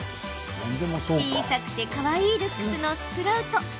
小さくてかわいいルックスのスプラウト。